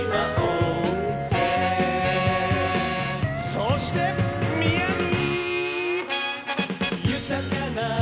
そして宮城！